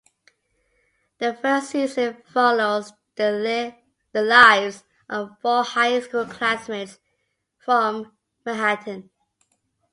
The first season follows the lives of four high school classmates from Manhattan.